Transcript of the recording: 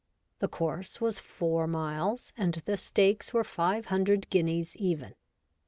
The course was four miles, and the stakes were 500 guineas, even.